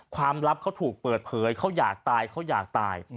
ลับเขาถูกเปิดเผยเขาอยากตายเขาอยากตาย